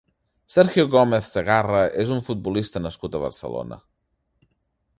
Sergio Gómez Cegarra és un futbolista nascut a Barcelona.